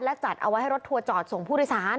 และจัดเอาไว้ให้รถทัวร์จอดส่งผู้โดยสาร